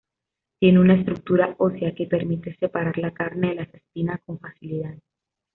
Tiene una estructura ósea que permite separar la carne de las espinas con facilidad.